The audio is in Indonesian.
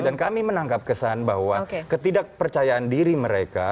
dan kami menangkap kesan bahwa ketidakpercayaan diri mereka